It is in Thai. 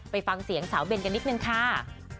ไปฟังเสียงสาวเบนกันนิดนึงค่ะ